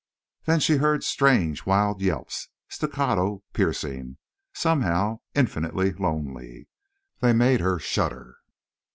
Then she heard strange wild yelps, staccato, piercing, somehow infinitely lonely. They made her shudder.